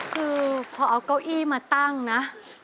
คือพอเอาเก้าอี้มาตั้งนะ